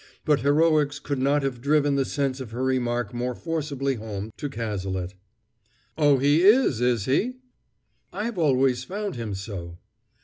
But heroics could not have driven the sense of her remark more forcibly home to Cazalet. "Oh, he is, is he?" "I've always found him so."